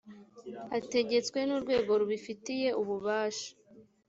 ategetswe n urwego rubifitiye ububasha